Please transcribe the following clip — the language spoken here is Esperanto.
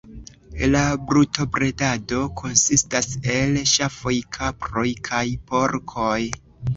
La brutobredado konsistas el ŝafoj, kaproj kaj porkoj.